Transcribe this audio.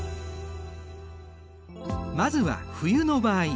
まずは冬の場合。